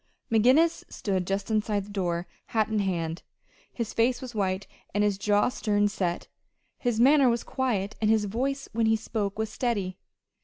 McGinnis stood just inside the door, hat in hand. His face was white, and his jaw stern set. His manner was quiet, and his voice when he spoke was steady.